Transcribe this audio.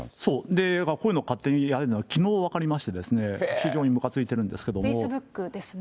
で、こういうの勝手にやるのがきのう分かりまして、非常にむかついてフェイスブックですね。